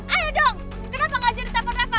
ayo dong kenapa nggak jadi telfon reva